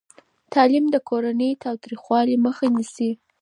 تعلیم د کورني تاوتریخوالي مخه نیسي.